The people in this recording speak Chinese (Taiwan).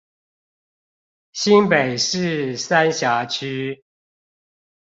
新北市三峽區